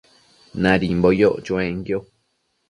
Nadimbo yoc chuenquio